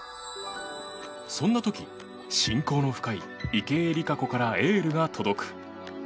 そんな時、親交の深い池江璃花子からエールが届く。